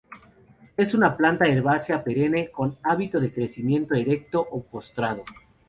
Es una planta herbácea, perenne, con hábito de crecimiento erecto o postrado.